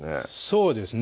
そうですね